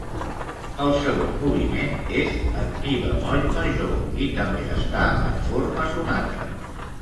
El segon moviment és en mi bemoll major, i també està en forma sonata.